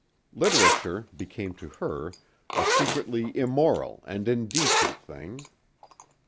Literature became to her a secretly immoral and indecent thing.